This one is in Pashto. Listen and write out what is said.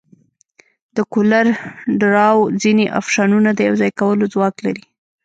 د کولر ډراو ځینې افشنونه د یوځای کولو ځواک لري.